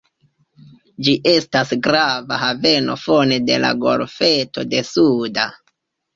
Ĝi estas grava haveno fone de la golfeto de Suda.